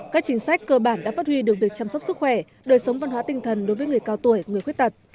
các chính sách cơ bản đã phát huy được việc chăm sóc sức khỏe đời sống văn hóa tinh thần đối với người cao tuổi người khuyết tật